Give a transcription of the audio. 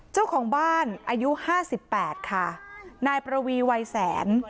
เจ้าของบ้านอายุ๕๘ค่ะนายประวีวัยแสน